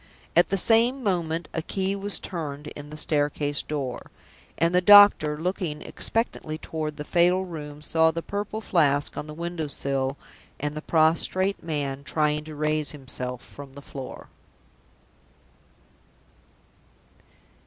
At the same moment a key was turned in the staircase door. And the doctor, looking expectantly toward the fatal room, saw the Purple Flask on the window sill, and the prostrate man trying to raise himself from the floor.